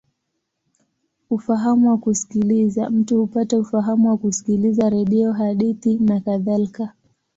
Ufahamu wa kusikiliza: mtu hupata ufahamu kwa kusikiliza redio, hadithi, nakadhalika.